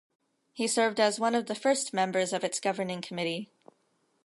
He served as one of the first members of its governing committee.